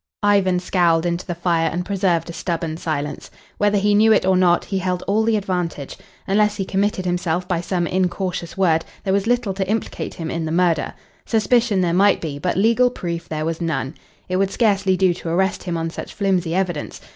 Ivan scowled into the fire and preserved a stubborn silence. Whether he knew it or not, he held all the advantage. Unless he committed himself by some incautious word, there was little to implicate him in the murder. Suspicion there might be, but legal proof there was none. It would scarcely do to arrest him on such flimsy evidence.